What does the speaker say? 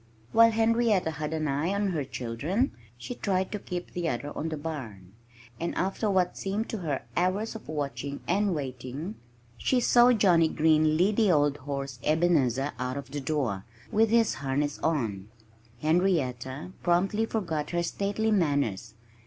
While Henrietta had an eye on her children, she tried to keep the other on the barn. And after what seemed to her hours of watching and waiting, she saw Johnnie Green lead the old horse Ebenezer out of the door, with his harness on. Henrietta promptly forgot her stately manners.